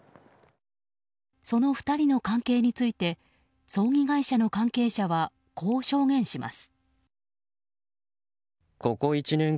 その２人の関係について葬儀会社の関係者はこう証言します。